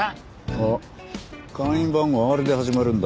あっ会員番号Ｒで始まるんだ。